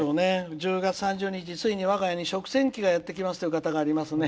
１０月３０日、ついにわが家に食洗機がやってきますという方がいますね。